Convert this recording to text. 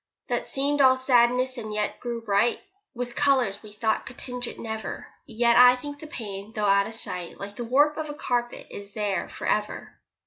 That seemed all sadness, and yet grew bright With colours we thought could tinge it never. Yet I think the pain though out of sight, Like the warp of the carpet, is there for ever.